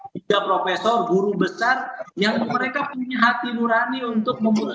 tiga profesor guru besar yang mereka punya hati nurani untuk membunuh